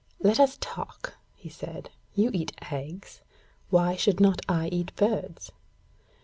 'Let us talk,' he said. 'You eat eggs. Why should not I eat birds?'